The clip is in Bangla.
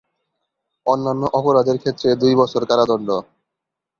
অন্যান্য অপরাধের ক্ষেত্রে দুই বছর কারাদণ্ড।